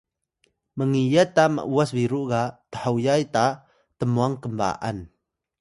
mngiyat ta m’was biru ga thoyay ta tmwang knba’an